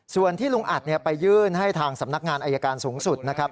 ส่วนที่ลุงอัดไปยื่นให้ทางสำนักงานอายการสูงสุดนะครับ